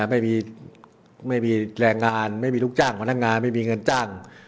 ไม่มีแรงงานไม่มีลูกจ้างพนักงานไม่มีเงินจ้าง